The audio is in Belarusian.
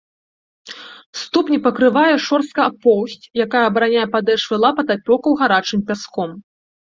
Ступні пакрывае шорсткая поўсць, якая абараняе падэшвы лап ад апёкаў гарачым пяском.